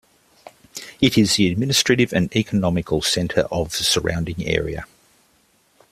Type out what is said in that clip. It is the administrative and economical center of the surrounding area.